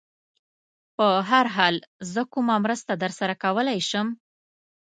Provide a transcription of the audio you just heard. په هر حال، زه کومه مرسته در سره کولای شم؟